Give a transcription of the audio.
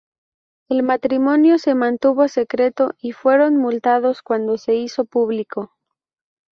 El matrimonio se mantuvo secreto y fueron multados cuando se hizo público.